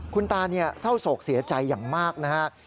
คุณตาเศร้าโศกเสียใจอย่างมากนะครับ